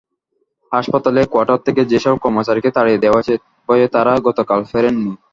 হাসপাতালের কোয়ার্টার থেকে যেসব কর্মচারীকে তাড়িয়ে দেওয়া হয়েছে, ভয়ে তাঁরা গতকাল ফেরেননি।